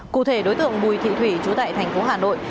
cụ thể đối tượng bùi thị thủy chú tại thành phố hà nội